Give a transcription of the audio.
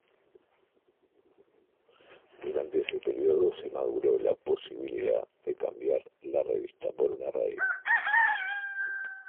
Durante ese período se maduró la posibilidad de cambiar la revista por una radio.